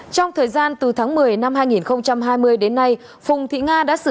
trong thời gian từ tháng một mươi năm hai nghìn hai mươi đến nay